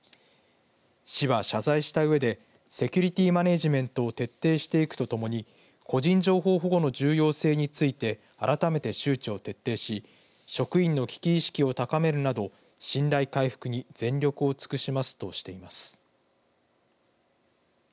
市は謝罪したうえでセキュリティーマネジメントを徹底していくとともに個人情報保護の重要性について改めて周知を徹底し職員の危機意識を高めるなど信頼回復に全力を尽くしますとしています。